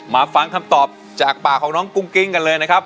มาฟังคำตอบจากปากของน้องกุ้งกิ้งกันเลยนะครับ